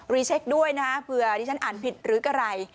เช็คด้วยนะเผื่อที่ฉันอ่านผิดหรืออะไร